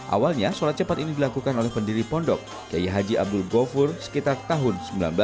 awalnya sholat cepat ini dilakukan oleh pendiri pondok yayi haji abdul gofur sekitar tahun sembilan puluh